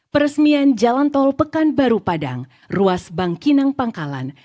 peresmian jalan tol pekanbaru padang ruas bangkinang pangkalan